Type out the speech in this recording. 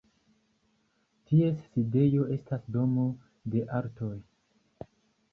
Ties sidejo estas Domo de artoj.